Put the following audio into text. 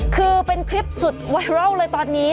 คือเป็นคลิปสุดไวรัลเลยตอนนี้